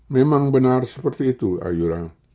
memang benar seperti itu ayura